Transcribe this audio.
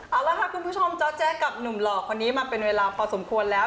เอาละค่ะคุณผู้ชมเจ้าแจ๊กับหนุ่มหล่อคนนี้มาเป็นเวลาพอสมควรแล้ว